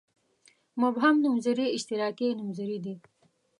مبهم نومځري اشتراکي نومځري دي.